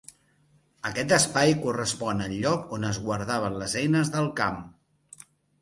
Aquest espai correspon al lloc on es guardaven les eines del camp.